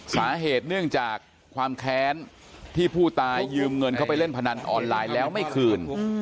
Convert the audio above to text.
สาเหตุเนื่องจากความแค้นที่ผู้ตายยืมเงินเข้าไปเล่นพนันออนไลน์แล้วไม่คืน